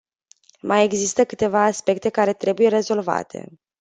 Mai există câteva aspecte care trebuie rezolvate.